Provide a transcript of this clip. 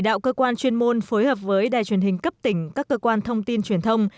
đạo cơ quan chuyên môn phối hợp với đài truyền hình cấp tỉnh các cơ quan thông tin truyền thông